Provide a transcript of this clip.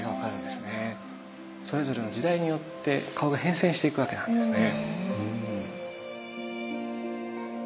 それぞれの時代によって顔が変遷していくわけなんですね。